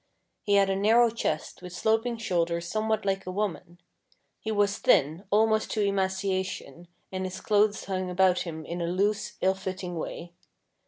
He had a narrow chest, with sloping shoulders some what like a woman. He was thin almost to emaciation, and his clothes hung about him in a loose, ill fitting way.